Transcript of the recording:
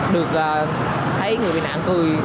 được thấy người bị nạn cười